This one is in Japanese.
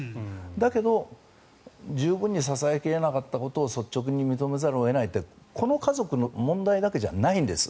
だけど、十分に支え切れなかったことを率直に認めざるを得ないってこの家族の問題だけじゃないんです。